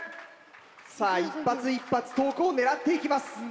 さぁ１発１発遠くを狙っていきます。